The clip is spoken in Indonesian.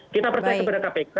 kita percaya kepada kpk